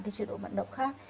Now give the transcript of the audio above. cái chế độ vận động khác